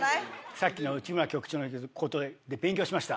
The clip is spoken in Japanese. さっきの内村局長のことで勉強しました。